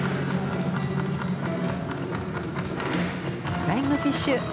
フライングフィッシュ。